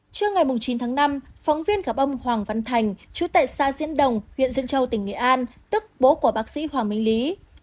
trước ngày chín tháng năm phóng viên gặp ông hoàng văn thành chú tệ xa diễn đồng huyện diễn châu tỉnh nghệ an tức bố của bác sĩ hoàng my lý